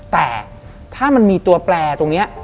แต่ถ้ามันมีตัวแปลตรงนี้